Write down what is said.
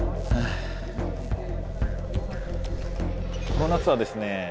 この夏はですね